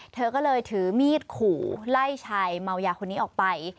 เธอก็เลยถือมีดขู่ไล่ชายเมายาคนนี้ออกไป